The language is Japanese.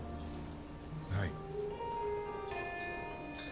はい。